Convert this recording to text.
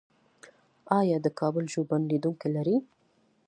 آیا د کابل ژوبڼ لیدونکي لري؟